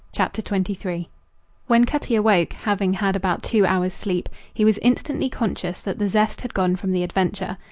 CHAPTER XXIII When Cutty awoke having had about two hours' sleep he was instantly conscious that the zest had gone from the adventure.